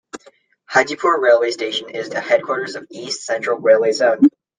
Hajipur railway station is the headquarters of East Central Railway Zone.